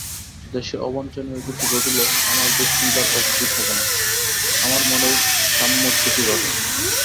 দেহে অবাঞ্ছনীয় কিছু ঘটিলে আমার দুশ্চিন্তার অবধি থাকে না, আমার মনের সাম্যচ্যুতি ঘটে।